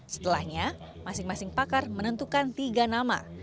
setelahnya masing masing pakar menentukan tiga nama